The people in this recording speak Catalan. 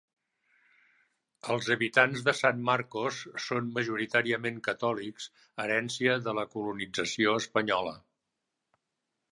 Els habitants de San Marcos són majoritàriament catòlics, herència de la colonització espanyola.